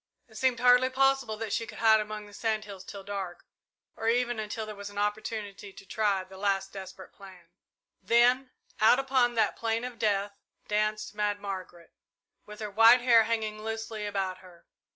It seemed hardly possible that she could hide among the sand hills till dark, or even until there was an opportunity to try the last desperate plan. Then out upon that plain of death danced Mad Margaret, with her white hair hanging loosely about her.